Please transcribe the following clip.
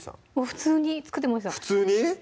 普通に作ってました普通に？